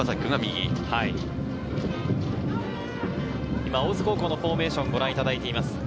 今、大津高校のフォーメーションをご覧いただいています。